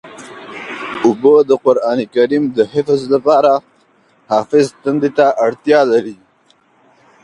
اوبه د قرآن کریم د حفظ لپاره حافظ تندې ته اړتیا لري.